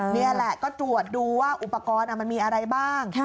นี่แหละก็ตรวจดูว่าอุปกรณ์มันมีอะไรบ้าง